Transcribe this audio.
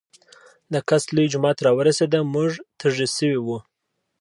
د کڅ لوے جومات راورسېدۀ مونږ تږي شوي وو